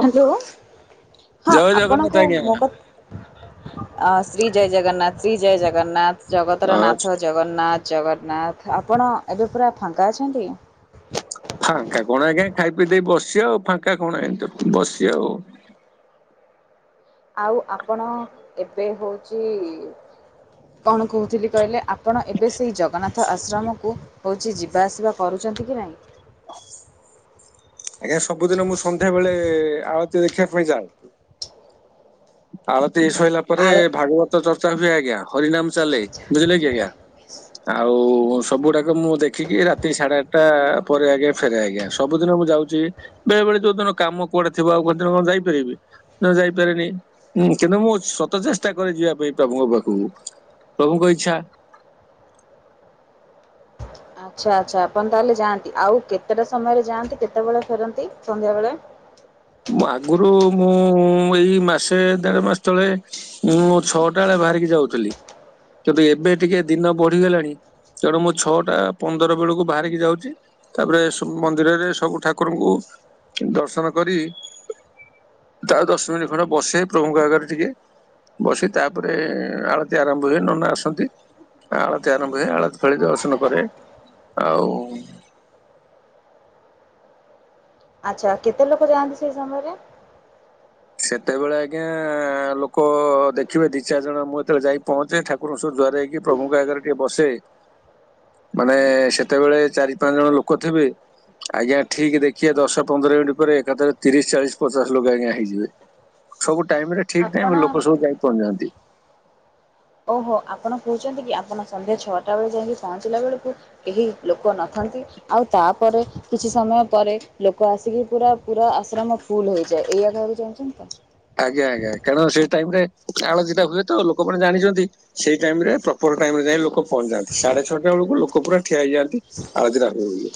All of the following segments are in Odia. ହ୍ୟାଲୋ, ହଁ ଜୟ ଜଗନ୍ନାଥ ଆପଣଙ୍କୁ ଆଜ୍ଞା ମୋ କ ଅ ଶ୍ରୀ ଜୟ ଜଗନ୍ନାଥ, ଶ୍ରୀ ଜୟ ଜଗନ୍ନାଥ, ଜଗତର ଆଚ୍ଛା, ନାଥ ଜଗନ୍ନାଥ ଜଗନ୍ନାଥ, ଆପଣ ଏବେ ପୁରା ଫାଙ୍କା ଅଛନ୍ତି? ଫାଙ୍କା କଣ ଆଜ୍ଞା, ଖାଇ ପିଇ ଦେଇ ବସିଚି ଆଉ, ଫାଙ୍କା କଣ ଆ ବସିଚି ଆଉ। ଆଉ ଆପଣ, ଏବେ ହେଉଛି କଣ କହୁଥିଲି କହିଲେ ଆ ଆପଣ ଏବେ ସେହି ଜଗନ୍ନାଥ ଆଶ୍ରମକୁ ହେଉଛି ଯିବାଆସିବା କରୁଛନ୍ତି କି ନାହିଁ? ଆଜ୍ଞା ସବୁଦିନ ମୁଁ ସନ୍ଧ୍ୟା ବେଳେ ଆଳତି ଦେଖିବା ପାଇଁ ଯାଏ। ଆଳତି ଶଇଲା ପରେ ଆଳୁ ଭାଗବତ ଚର୍ଚ୍ଚା ବି ହୁଏ ଆଜ୍ଞା। ହରିନାମ ଚାଲେ ବୁଝିଲେ କି ଆଜ୍ଞା? ଆଉ ସବୁଗୁଡାକ ମୁଁ ଦେଖିକି, ରାତି ସାଢେ ଆଠଟା ପରେ ଆଜ୍ଞା ଫେରେ ଆଜ୍ଞା। ସବୁଦିନ ମୁଁ ଯାଉଛି ବେଳେ ବଳେ ଯୋଉ ଦିନ କାମ କୁଆଡେ ଥିବ ଆଉ କ ଦିନଣ ଯାଇପାରିବି? ନ ଯାଇପାରେନି। ହୁଁ କିନ୍ତୁ ମୁଁ ସତ ଚେଷ୍ଟା କରେ ଯିବା ପାଇଁ ପ୍ରଭୁଙ୍କ ପାଖକୁ, ପ୍ରଭୁଙ୍କ ଇଚ୍ଛା। ଆଚ୍ଛା ଆଚ୍ଛା ଆପଣ ତାହେଲେ ଯାଆନ୍ତି, ଆଉ କେତେଟା ସମୟରେ ଯାଆନ୍ତି କେତେବେଳେ ଫେରନ୍ତି ସନ୍ଧ୍ୟାବେଳେ? ମୁଁ ଆଗରୁ ମୁଁ ଏଇ ମାସେ ଦେଢ ମାସ ତଳେ ମୁଁ ଛଅଟା ବେଳେ ବାହାରିକି ଯାଉଥିଲି, କିନ୍ତୁ ଏବେ ଟିକେ ଦିନ ବଢିଗଲାଣି। ତେଣୁ ମୁଁ ଛଅଟା ପନ୍ଦର ବେଳକୁ ବାହାରିକି ଯାଉଛି। ତାପରେ ମନ୍ଦିରରେ ସବୁ ଠାକୁରଙ୍କୁ ଦର୍ଶନ କରି ତା ଦଶ ମିନିଟ୍ ଖଣ୍ଡେ ବସେ ପ୍ରଭୁଙ୍କ ଆଗରେ ଟିକେ। ବସି ତାପରେ ଆଳତି ଆରମ୍ଭ ହୁଏ ନନା ଆସନ୍ତି। ଆଳତି ଆରମ୍ଭ ହୁଏ, ଆଳତି ଫାଳତି ଦର୍ଶନ କରେ, ଆଉ ଆଚ୍ଛା କେତେ ଲୋକ ଯାଆନ୍ତି ସେଇ ସମୟରେ? ସେତେବେଳେ ଆଜ୍ଞା ଲୋକ ଦେଖିବେ ଦି ଚାରି ଜଣ ମୁଁ ଯେତେବେଳେ ଯାଇ ପହଞ୍ଚେ ଠାକୁ ର ଜୁହାର ହେଇକି ହେଇକି ପ୍ରଭୁଙ୍କ ଆଗାରେ ଟିକେ ବସେ ମାନେ ସେତେବେଳେ ଚାରି ପାଞ୍ଚ ଜଣ ଲୋକ ଥିବେ। ଆଜ୍ଞା ଠିକ୍ ଦେଖିବା ଦଶ ପନ୍ଦର ମିନିଟ ପରେ ଏକାଥରେ ତିରିଶ, ଚାଳିଶ, ପଚାଶ ଲୋକ ଆଜ୍ଞା ହେଇଯିବେ। ସବୁ ଟାଇମ ରେ ଠିକ୍ ଟାଇମ ଆପଣ ଲୋକ ସବୁ ଯାଇ ପହଞ୍ଚି ଯାଆନ୍ତି। ଓହୋ ଆପଣ କହୁଛନ୍ତି କି ଆପଣ ସନ୍ଧ୍ୟା ଛଅଟା ବେଳେ ଯାଇକି ପହଞ୍ଚିଲା ବେଳକୁ କେହି ଲୋକ ନଥାନ୍ତି। ଆଉ ତାପରେ କିଛି ସମୟ ପରେ ଲୋକ ଆସିକି ପୁରା ପୁରା ଆଶ୍ରମ ଫୁଲ ହୋଇଯାଏ, ଏୟା କହିବାକୁ ଚାହୁଁଛନ୍ତି ତ? ଆଜ୍ଞା ଆଜ୍ଞା, କାରଣ ସେ ଟାଇମ ରେ ଆଳତି ଟା ହୁଏ ତ ଲୋକମାନେ ଜାଣିଛନ୍ତି। ସେଇ ଟାଇମ ରେ ପ୍ରପର ଟାଇମ ରେ ଯାଇ ଲୋକ ପହଞ୍ଚି ଯାଆନ୍ତି, ସାଢେ ଛଅଟା ବେଳକୁ ଲୋକ ପୁରା ଠିଆ ହେଇଯାନ୍ତି। ଆଳତି ଟା ଆରମ୍ଭ ହୁଏ।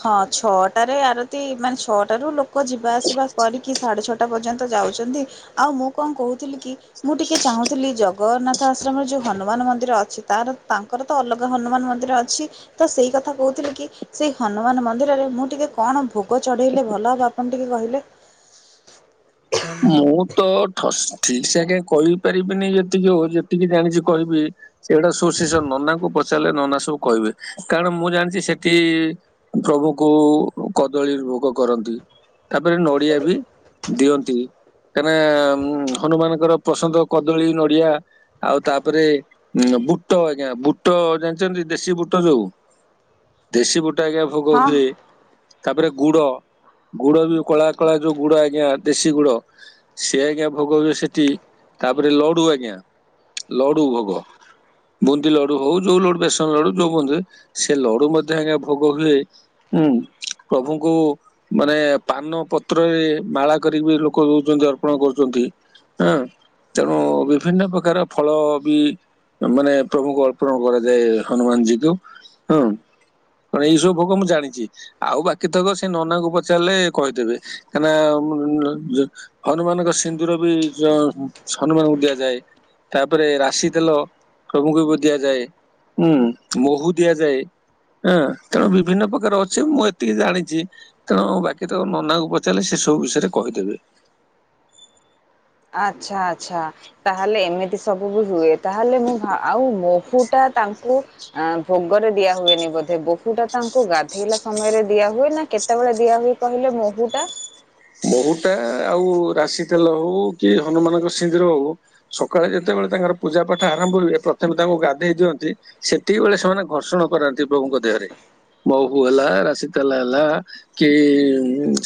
ହଁ ଛଅଟାରେ ଆରତି, ମାନେ ଛଅଟାରୁ ଲୋକ ଯିବା ଆସିବା କରିକି ସାଢେ ଛଅଟା ପର୍ଯ୍ୟନ୍ତ। ତ ଯାଉଛନ୍ତି, ଆଉ ମୁଁ କଣ କହୁଥିଲି କି ମୁଁ ଟିକେ ଚାହୁଁଥିଲି ଜଗନ୍ନାଥ ଆଶ୍ରମର ଯୋଉ ହନୁମାନ ମନ୍ଦିର ଅଛି ତାର ତାଙ୍କ ଙ୍କର ତ ଅଲଗା ହନୁମାନ ମନ୍ଦିର ଅଛି, ତ ସେଇ କଥା କହୁଥିଲେ କି ସେ ହନୁମାନ ମନ୍ଦିରରେ ମୁଁ ଟିକେ କଣ ଭୋଗ ଚଢ଼େଇଲେ ଭଲ ହେବ ଆପଣ ଟିକିଏ କହିଲେ। ମୁଁ ତ ଠସ୍ ଠିକ ସେ ଆଜ୍ଞା କହିପାରିବିନି ଯେତିକି ଅଉ ଯେତିକି ଜାଣିଚି କହିବି। ସେଭଡ଼ା ସେ ସବୁ ନନାଙ୍କୁ ପଚାରିଲେ ନନା ସବୁ କହିବେ କାରଣ ମୁଁ ଜାଣିଛି ସେଠି ପ୍ରଭୁଙ୍କୁ କଦଳୀ ଭୋଗ କରନ୍ତି। ତାପରେ ନଡିଆ ବି ଦିଅନ୍ତିନି। କାହିଁକିନା ଉ ହନୁମାନଙ୍କର ପସନ୍ଦ କଦଳୀ ନଡିଆ ଆଉ ତାପରେ ଉ ବୁଟ ଆଜ୍ଞା ବୁଟ ଜାଣିଚନ୍ତି ଦେଶୀ ବୁଟ ଯୋଉ ଦେଶୀ ବୁଟା ଆଜ୍ଞା ଭୋଗ ହଁ ହୁଏ। ତାପରେ ଗୁଡ ଗୁଡ ବି କଳା କଳା ଯୋଉ ଗୁଡ ଆଜ୍ଞା ଦେଶୀ ଗୁଡ ସେ ଆଜ୍ଞା ଭୋଗ ହୁଏ ସେଠି ତାପରେ ଲଡୁ ଆଜ୍ଞା ଲଡୁ ଭୋଗ ବୁନ୍ଦି ଲଡୁ ହଉ ଯୋଉ ଲଡୁ ବେସନ ଲଡୁ ଯୋଉ ବୁନ୍ଦି ସେ ଲଡୁ ମଧ୍ୟ ଆଜ୍ଞା ଭୋଗ ହୁଏ ହୁଁ ପ୍ରଭୁଙ୍କୁ ମାନେ ପାନ ପତ୍ରରେ ମାଳା କରିବି ଲୋ ଲୋକ ଦଉଛନ୍ତି ଅର୍ପଣ କରୁଛନ୍ତି ହାଁ ତେଣୁ ବିଭିନ୍ନ ପ୍ରକାର ଫଳ ବି ମାନେ ପ୍ରଭୁଙ୍କୁ ଅର୍ପଣ କରାଯାଏ ହନୁମାନ ଜୀ କ ହଁ। କଣ ଏଇ ସବୁ ଭୋକ ମୁଁ ଜାଣିଛି ଆଉ ବାକି ଥକ ସେ ନନାଙ୍କୁ ପଚାରିଲେ କହିଦେବେ କାନା, ମୁଁ, ମୁଁ, ଯୋ ହନୁମାନଙ୍କ ସିନ୍ଦୁର ବି ହନୁମାନଙ୍କୁ ଦିଆଯାଏ। ତାପରେ ରାଶି ତେଲ ପ୍ରଭୁଙ୍କୁ ବି ଦିଆଯାଏ। ହୁଁ ମହୁୁ ଦିଆ ଯାଏ। ହଁ ତେଣୁ ବିଭିନ୍ନ ପ୍ରକାର ଅଛି ମୁଁ ଏତିକି ଜାଣିଡ଼ି। ତେଣୁ ବାକି ତ ନନାଙ୍କୁ ପଚାରିଲେ ସେ ସବୁ ବିଷୟରେ କହିଦେବେ। ଆଚ୍ଛା ଆଚ୍ଛା ତାହେଲେ ଏମିତି ସବୁ ବି ହୁଏ। ତାହେଲେ ମୁଁ ଆଉ ମହୁଟା ତାଙ୍କୁ ଆ ଭୋଗରେ ଦିଆ ହୁଏନି ବୋଧେ ବୋହୂ ଟା ତାଙ୍କୁ ଗାଧେଇଲା ସମୟରେ ଦିଆ ହୁଏ ନା କେତେ କେତେବେଳେ ଦିଆ ହଏ କହିଲେ ମହୁ ଟା ମହୁ ଟା ଆଉ ରାଶି ତେଲ ହଉ କି ହନୁମାନଙ୍କ ସିନ୍ଦୁର ହଉ ସକାଳେ ଯେତେବେଳେ ତାଙ୍କର ପୂଜା ପାଠ ଆରମ୍ଭ ହୁଏ ପ୍ରଥମେ ତାଙ୍କୁ ଗାଧେଇ ଦିଅନ୍ତି ସେତିକି ବେଳେ ସେମାନେ ଘର୍ଷଣ କରନ୍ତି ପ୍ରଭୁଙ୍କ ଦେହରେ। ମହୁ ହେଲା ରାଶି ତେଲ ହେଲା କି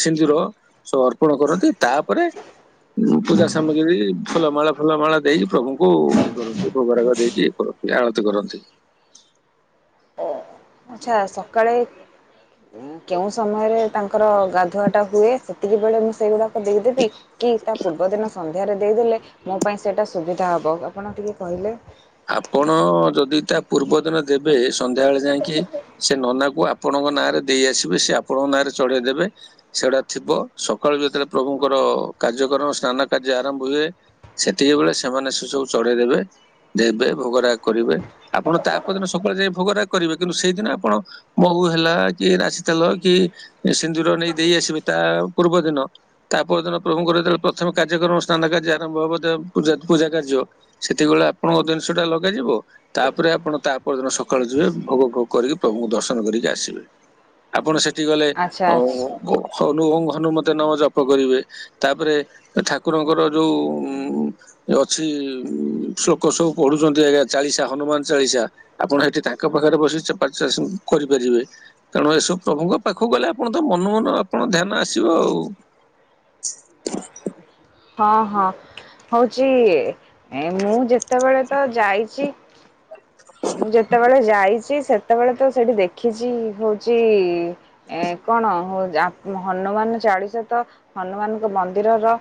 ସିନ୍ଦୁର ତ ଅର୍ପଣ କରନ୍ତି ତାପରେ ପୂଜା ସାମଗ୍ରୀ ଫୁଲମାଳ ଫୁଲମାଳ ଦେଇ ପ୍ରଭୁଙ୍କୁ ଇଏ କରନ୍ତୁ ଭୋଗରାଗ ଦେଇକି ଇଏ କରନ୍ତୁ। ଆଳତି କରନ୍ତି। ଆଚ୍ଛା ସକାଳେ କେଉଁ ସମୟରେ ତାଙ୍କର ଗାଧୁଆ ଟା ହୁଏ ସେତିକି ବେଳେ ମୁଁ ସେଇଗୁଡା ଦେଇଦେବି କି ତା ପୂର୍ବ ଦିନ ସନ୍ଧ୍ୟାରେ ଦେଇଦେଲେ ମୋ ପାଇଁ ସେଇଟା ସୁବିଧା ହେବ ଆପଣ ଟିକିଏ କହିଲେ ଆପଣ ଯଦି ତା ପୂର୍ବ ଦିନ ଦେବେ ସନ୍ଧ୍ୟା ବଳେ ଯାଇକି ସେ ନନାକୁ ଆପଣଙ୍କ ନାଁରେ ଦେଇ ଆସିବେ ସେ ଆପଣଙ୍କ ନାଁରେ ଚଢେଇ ଦେେବେ ସେଗୁଡା ଥିବ ସକାଳୁ ଯେତେବେଳେ ପ୍ରଭୁଙ୍କର କାର୍ଯ୍ୟକ୍ରମ ସ୍ନାନ କାର୍ଯ୍ୟ ଆରମ୍ଭ ହୁଏ ସେତିକି ବେଳେ ସେମାନେ ସେ ସବୁ ଚଢେଇ ଦେବେ ଦେବେ ଭୋଗରାଗ କରିବେ ଆପଣ ତାପଦିନ ସକାଳେ ଯାଇ ଭୋଗରାଗ କରିବେ କିନ୍ତୁ ସେଇଦିନ ଆପଣ? ମହୁ ହେଲା କି ରାଶି ତେଲ କି ସିନ୍ଦୁର ନେଇ ଦେଇ ଆସିବେ ତା ପୂର୍ବ ଦିନ। ତା ପରଦିନ ପ୍ରଭୁଙ୍କର ଯେତେବେଳେ ପ୍ରଥମ କାର୍ଯ୍ୟକ୍ରମ ସ୍ନାନ କାର୍ଯ୍ୟ ଆରମ୍ଭ ହବ ପୂଜା ପୂଜା କାର୍ଯ୍ୟ ସେତିକିବଳେ ଆପଣଙ୍କ ଜିନିଷ ଟା ଲଗାଯିବ ତାପରେ ଆପଣ ତା ପରଦିନ ସକାଳୁ ଯିବେ ଭୋଗ ଭୋଗ କରିକି ପ୍ରଭୁଙ୍କୁ ଦର୍ଶନ କରିକି ଆସିବେ। ଆପଣ ସେଠି ଗଲେ ଆଚ୍ଛା ଅ ଆଚ୍ଛା ହନୁ ହନୁମତ ନାମ ଜପ କରିବେ ତାପରେ ଠାକୁରଙ୍କର ଯୋଉ ଉ ଅଛି ଉ ଶ୍ଳୋକ ସବୁ ପଢୁଚ଼ନ୍ତି ଆଜ୍ଞା ଚାଳିଶା ହନୁମାନ ଚାଳିଶା ଆପଣ ଏଠି ତାଙ୍କ ପାଖରେ ବସିି ସେ ପା ଚାଷ କରିପାରିବେ ତେଣୁ ଏସବୁ ପ୍ରଭୁଙ୍କ ପାଖକୁ ଗଲେ ଆପଣ ତ ମନୁକୁ ମନ ଆପଣ ଧ୍ୟାନ ଆସିବ ଆଉ ହଁ ହଁ ହଉଛି ଏ ମୁଁ ଯେ ସେତେବେଳେ ତ ଯାଇଛି। ମୁଁ ଯେତେବେଳେ ଯାଇଛି ସେତେବେଳେ ତ ସେଠି ଦେଖିଛି ହଉଛି ଏ କଣ ହନୁମାନ ଚାଳିଶ ତ ହନୁମାନଙ୍କ ମନ୍ଦିରର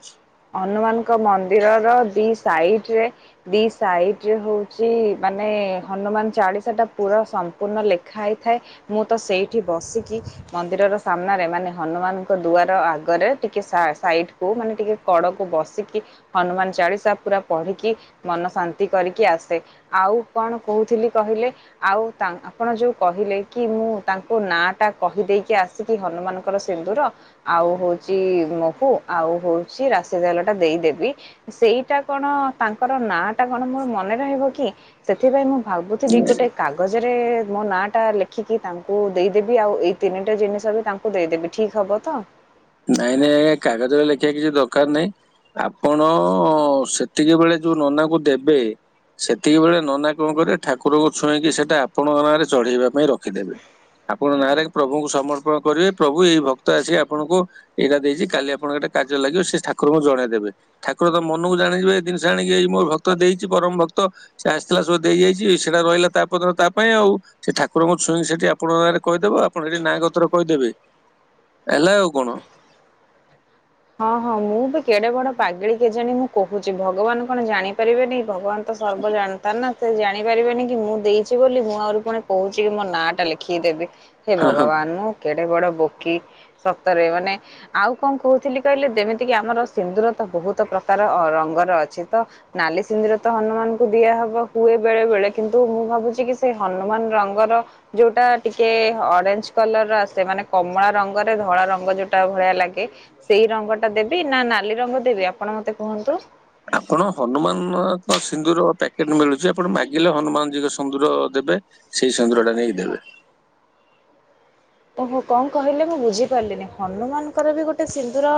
ହ [unintelligible] ହନୁମାନଙ୍କ ମନ୍ଦିର ର ଦି ସାଇଟ୍ ରେ ଦି ସାଇଟ୍ ରେ ହଉଛି ମାନେ ହନୁମାନ ଚାଳିଶା ଟା ପୁରା ସମ୍ପୂର୍ଣ୍ଣ ଲେଖା ହେଇଥାଏ। ମୁଁ ତ ସେଇଠି ବସିକି ମନ୍ଦିରର ସାମ୍ନାରେ ମାନେ ହନୁମାନଙ୍କ ଦୁଆର ଆଗରେ ଟିକେ ସାସି ସାଇଟିକୁ ମାନେ ଟିକେ କଡ଼କୁ ବସିକି ହନୁମାନ ଚାଳିଶା ପୁରା ପଢିକି ମନ ଶାନ୍ତି କରିକି ଆସେ। ଆଉ କଣ କହୁଥିଲି କହିଲେ? ଆଉ ଆପଣ ଯୋଉ କହିଲେ କି ମୁଁ ତାଙ୍କ ନାଁ ଟା କହିଦେଇକି ଆସି ସେଠି ହନୁମାନଙ୍କର ସିନ୍ଦୁର ଆଉ ହଉଛି ହ ଆଉ ହଉଛି ରାଶି ତେଲ ଟା ଦେଇଦେବି। ସେଇଟା କଣ ତାଙ୍କର ନାଁ ଟା କଣ ମୋର ମନେ ରହିବ କି? ସେଥିପାଇଁ ମୁଁ ଭାବୁଥିଲି ଗୋଟେ କାଗଜରେ ମୋ ନାଁଟା ଲେଖିକି ତାଙ୍କୁ ଦେଇଦେବି ଆଉ ଏଇ ତିନିଟା ଜିନିଷ ବି ତାଙ୍କୁ ଦେଇଦେବି ଠିକ୍ ହବ ତ? ନାଇଁ ନାଇଁ ଆଜ୍ଞା କାଗଜରେ ଲେଖିବା କିଛି ଦରକାର ନାଇଁ ଆପଣ ସେତିକି ବେଳେ ଯୋଉ ନନା କୁ ଦେବେ ସେତିକି ବେଳେ ନନା କଣ କରିବେ ଠାକୁରଙ୍କୁ ଛୁଇଁକି ସେଟା ଆପଣଙ୍କ ନାଁରେ ଚଢେଇବା ପାଇଁ ରଖିଦେବେ। ଆପଣ ନାଁରେ ପ୍ରଭୁଙ୍କୁ ସମର୍ପଣ କରିବେ ପ୍ରଭୁ ଏଇ ଭକ୍ତ ଆସି ଆପଣଙ୍କୁ ଏଇଟା ଦେଇଛି କାଲି ଆପଣଙ୍କ ଏଟା କଯ୍ୟ ଲାଗିବ ସେ ଠାରଙ୍କୁ ଜଣେଇଦେବେ। ଠାକୁର ତ ମନକୁ ଜାଣିିଯିବେ ଏଇ ଜିନିଷ ଆଣିକି ଏଇ ମୋ ଭକ୍ତ ଦେଇଛି ପରମ ଭକ୍ତ ସେ ଆସିଥିଲା ସବୁ ଦେଇ ଯାଇଛି ସେଟା ରହିଲା ତାପର ଦିନ ତା ପାଇଁ ଆଉ। ସେ ଠାକୁରଙ୍କୁ ଛୁଇଁ କି ସେଠି ଆପଣଙ୍କ ଆଗରେ କହିଦେବ ଆପଣ ସେଠି ନାଁ ଗୋତ୍ର କହିଦେବେ। ହେଲା ଆଉ କଣ। ହଁ ହଁ ମୁଁ ବି କେଡେ ବଡ ପାଗିଳି କେଜାଣି ମୁଁ କହୁଛି ଭଗବାନ କଣ ଜାଣି ପାରିବେନି ଭଗବାନ ତ ସର୍ବ ଜାଣତା ନା। ସେ ଜାଣିପାରିବେନି କି ମୁଁ ଦେଇଛି ବୋଲି ମୁଁ ଆହୁରି ପୁଣି କହୁଛି କି ମୋ ନାଁ ଟା ଲେଖିକ ଦେବି। ହେ ଭଗବାନ ମୁଁ କେଡେ ବଡ ବୋକି ସତରେ ମାନେ ଆଉ କଣ କହୁଥିଲି କି? କହିଲେ ଯେମିତିକି ଆମର ସିନ୍ଦୁର ତ ବହୁତ ପ୍ରକାର ରଙ୍ଗର ଅଛି ତ ନାଲି ସିନ୍ଦୁର ତ ହନୁମାନଙ୍କୁ ଦିଆହବ ହୁଏ ବେଳେ ବେଳେ କିନ୍ତୁ ମୁଁ ଭାବୁଛି କି ସେଇ ହନୁମାନ ରଙ୍ଗର ଯୋଉଟା ଟିକେ ଅରେଞ୍ଜ କଲର୍ ର ଆସେ ମାନେ କମଳା ରଙ୍ଗରେ ଧଳା ରଙ୍ଗ ଯୋଉଟା ଭଳିଆ ଲାଗେ ସେଇ ରଙ୍ଗ ଟା ଦେବି ନା ନାଲି ରଙ୍ଗ ଦେବି ଆପଣ ମତେ କୁହନ୍ତୁ? ଆପଣ ହନୁମାନଙ୍କ ସିନ୍ଦୁର ପ୍ୟାକେଟ୍ ମିଳୁଛି ଆପଣ ମାଗିଲେ ହନୁମାନ ଜିଙ୍କ ସିନ୍ଦୁର ଦେବେ। ସେଇ ସିନ୍ଦୁର ଟା ନେଇକି ଦେବେ। ଓହୋ କଣ କହିଲେ ମୁଁ ବୁଝିପାରିଲିନି ହନୁମାନଙ୍କର ବି ଗୋଟେ ସିନ୍ଦୁର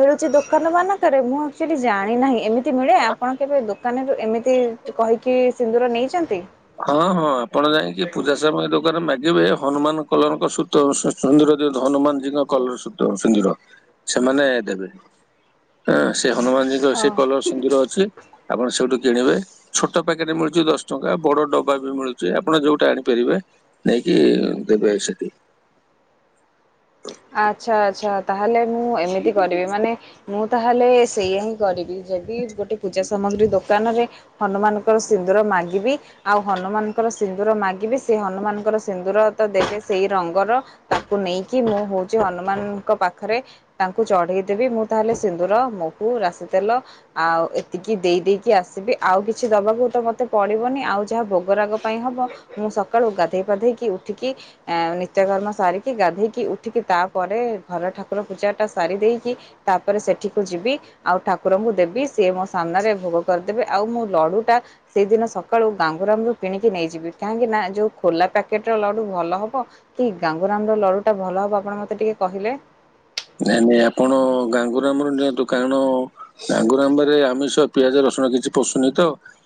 ମିଳୁଛି ଦୋକାନ ମାନଙ୍କରେ ମୁଁ ଅକ୍ଚୁଏଲି ଜାଣି ନାହିଁ ଏମିତି ମିଳେ ଆପଣ କେବେ ଦୋକାନରୁ ଏମିତି ତୁ କହିକି ସିନ୍ଦୁର ନେଇଛନ୍ତି? ହଁ ହଁ ଆପଣ ଯାଇକି ପୂଜା ସାମଗ୍ରୀ ଦୋକାନରେ ମାଗିବେ ହନୁମାନ କଲରଙ୍କ ସୂତ ହନୁ ସିନ୍ଦୁର ଦିଅନ୍ତୁ ହନୁମାନ ଜୀଙ୍କ କଲର ସୁତ ସିନ୍ଦୁର ସେମାନେ ଦେବେ। ଆଁ ସେ ହନୁମାନୀଜି ଯୋ ଅ ସେଇ କଲର ସିନ୍ଦୁର ଅଛି ଆପଣ ସେଇଠୁ କିଣିବେ ଛୋଟ ପ୍ୟାକେଟେ ମିଳୁଛି ଦଶ ଟଙ୍କା ବଡ ଡବା ବି ମିଳୁଛି ଆପଣ ଯୋଉଟା ଆଣିପାରିବେ ନେଇକି ଦେବେ ସେଠି। ଆଚ୍ଛା ଆଚ୍ଛା ତାହେଲେ ମୁଁ ଏମିତି କରିବି ମାନେ ମୁଁ ତାହେଲେ ସେଇଆା ହିଁ କରିବି ଯଦି ଗୋଟେ ପୂଜା ସାମଗ୍ରୀ ଦୋକାନରେ ହନୁମାନଙ୍କର ସିନ୍ଦୁର ମାଗିବି ଆଉ ହନୁମାନଙ୍କର ସିନ୍ଦୁର ମାଗିବି ସେ ହନୁମାନଙ୍କର ସିନ୍ଦୁର ତ ଦେବେ ସେଇ ରଙ୍ଗର ତାକୁ ନେଇକି ମୁଁ ହଉଚୁ ହନୁମାନଙ୍କ ପାଖରେ ତାଙ୍କୁ ଚଢେଇ ଦେବି, ମୁଁ ତାହେଲେ ସିନ୍ଦୁର, ମହୁ, ରାଶି ତେଲ ଆଉ ଏତିକି ଦେଇ ଦେଇକି ଆସିବି। ଆଉ କିଛି ଦବାକୁ ତ ମତେ ପଡିବନି। ଆଉ ଯାହା ଭୋଗ ରାଗ ପାଇଁ ହବ ମୁଁ ସକାଳୁ ଗାଧେଇ ପାଧେଇକି ଉଠିକି ଏଁ, ନିତ୍ୟକର୍ମ ସାରିକି ଗାଧେଇକି ଉ ଠିକି ତାପରେ ଘର ଠାକୁର ପୂଜା ଟା ସାରି ଦେଇକି ତାପରେ ସେଠିକୁ ଯିବି। ଆଉ ଠାକୁରଙ୍କୁ ଦେବି ସେ ମୋ ସାମ୍ନାରେ ଭୋଗ କରିଦେବେ। ଆଉ ମୁଁ ଲଡୁ ଟା ସେଇଦିନ ସକାଳୁ ଗାଙ୍ଗୁରାମରୁ କିଣିକି ନେଇଯିବି। କାହିଁକି ନା ଯୋଉ ଖୋଲା ପ୍ୟାକେଟ୍ ର ଲଡୁ ଭଲ ହବ କି ଗାଙ୍ଗୁରାମ ର ଲଡୁ ଟା ଭଲ ହବ ଆପଣ ମୋତେ ଟିକେ କହିଲେ? ନାଇଁ ନାଇଁ ଆପଣ ଗାଙ୍ଗୁରାମ ରୁ ନିଅନ୍ତୁ। କାରଣ ଗଙ୍ଗୁରାମରେ ଆମିଷ ପିଆଜ ରସୁଣ କିଛି ପଷୁନି ତ।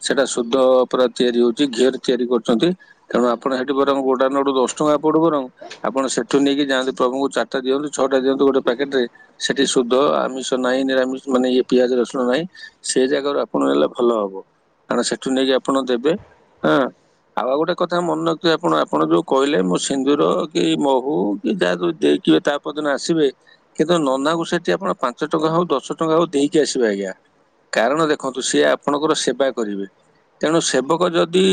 ସେଟା ସୁଧ ପୁରା ତିଆରି ହଉଚି, ଘିଅ ରେ ତିଆରି କରୁଛନ୍ତି। ତେଣୁ ଆପଣ ସେଠି ବରଂ ଗୋଟା ନଡୁ ଦଶ ଟଙ୍କା ପଡୁ ବରଂ ଆପଣ ସେଠୁ ନେଇକି ଯାଆନ୍ତୁ ପ୍ରଭୁଙ୍କୁ ଚାଟା ଦିଅନ୍ତୁ, ଛଅଟା ଦିଅନ୍ତୁ, ଗୋଟେ ପ୍ୟାକେଟ୍ ରେ ସେଠି ସୁଧ ଆମିଷ ନାହିଁ ନିରାମିଷ ମାନେ ଇଏ ପିଆଜ ରସୁଣ ନାହିଁ। ସେଇ ଜାଗାରୁ ଆପଣ ନେଲେ ଭଲ ହବ। କାରଣ ସେଠୁ ନେଇକି ଆପଣ ଦେବେ ଆଁ, ଆଉ ଆଉ ଗୋଟେ କଥା ମନେ ରଖିଥିବେ ଆପଣ। ଆପଣ ଯୋଉ କଇଲେ ମୁଁ ସିନ୍ଦୁର କି ମହୁ କି ଯା ସବୁ ଦେଖିବେ ତା କୋଉଦିନ ଆସିବେ? କିନ୍ତୁ ନନା କୁ ସେଠି ଆପଣ ପାଞ୍ଚ ଟଙ୍କା ହଉ ଦଶ ଟଙ୍କା ହଉ ଦେଇକି ଆସିବେ ଆଜ୍ଞା। କାରଣ ଦେଖନ୍ତୁ ସିଏ ଆପଣଙ୍କର ସେବା କରିବେ। ତେଣୁ ସେବକ ଯଦି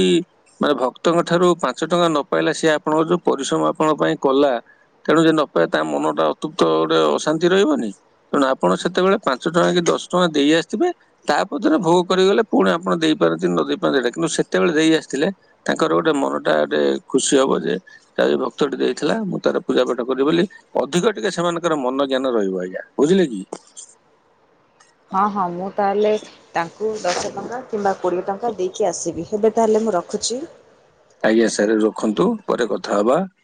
ମାନେ ଭକ୍ତଙ୍କ ଠାରୁ ପାଞ୍ଚ ଟଙ୍କା ନ ପାଇଲା ସିଏ ଆପଣଙ୍କର ଯୋଉ ପରିଶ୍ରମ ଆପଣଙ୍କ ପାଇଁ କଲା। ତେଣୁ ଯିଏ ନପାଇ ତା ମନ ଟା ଅତୁପ୍ତ ଗୋଟେ ଅଶାନ୍ତି ରହିବନି। ତେଣୁ ଆପଣ ସେତେବେଳେ ପାଞ୍ଚ ଟଙ୍କା କି ଦଶ ଟଙ୍କା ଦେଇ ଆସିଥିବେ। ତାପଦରେ ଭୋଗ କରିଗଲେ ପୁଣି ଆପଣ ଦେଇପାରନ୍ତି ନ ଦେଇ ପାରନ୍ତି ସେଟା। କିନ୍ତୁ ସେତେବେଳେ ଦେଇ ଆସିଥିଲେ ତାଙ୍କର ଗୋଟେ ମନ ଟା ଗୋଟେ ଖୁସି ହବ ଯେ ତାଇ ଭକ୍ତଟି ଦେଇଥିଲା ମୁଁ ତାର ପୂଜା ପାାଠ କରିବି ବୋଲି। ଅଧିକ ଟିକେ ସେମାନଙ୍କର ମନ ଜ୍ଞାନ ରହିବ ଆଜ୍ଞା। ବୁଝିଲେ କି? ହଁ, ହଁ ମୁଁ ତାଲେ ତାଙ୍କୁ ଦଶ ଟଙ୍କା କିମ୍ବା କୋଡ଼ିଏ ଟଙ୍କା ଦେଇକି ଆସିବି। ହେବେ ତାହେଲେ ମୁଁ ରଖୁଛି। ଆଜ୍ଞା ସାର୍ ରଖନ୍ତୁ ପରେ କଥା ହବା।